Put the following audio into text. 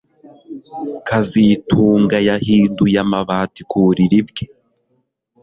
kazitunga yahinduye amabati ku buriri bwe